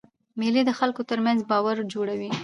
مېلې د خلکو ترمنځ باور جوړوي.